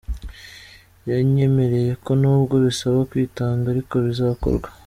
Yanyemereye ko nubwo bisaba kwitanga ariko bizakorwa.